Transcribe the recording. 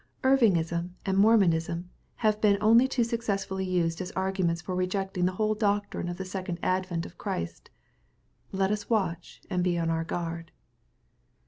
Irvingism and Mormon ism have been only too successfully used as arguments for rejecting the whole doctrine of the second advent of Christ. Let us watch, and be on our guard.